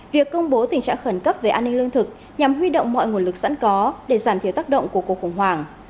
việc công bố tình trạng khẩn cấp về an ninh lương thực nhằm huy động mọi nguồn lực sẵn có để giảm thiểu tác động của cuộc khủng hoảng